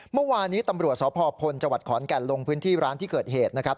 เมื่อวานี้ตำรวจสพพลจังหวัดขอนแก่นลงพื้นที่ร้านที่เกิดเหตุนะครับ